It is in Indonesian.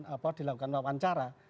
apa dilakukan wawancara